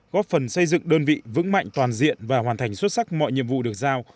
góp phần xây dựng đơn vị vững mạnh toàn diện và hoàn thành xuất sắc mọi nhiệm vụ được giao